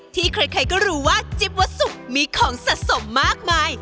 ที่ใครก็รู้ว่าจิ๊บวัสสุกมีของสะสมมากมาย